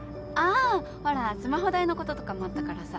あほらスマホ代のこととかもあったからさ。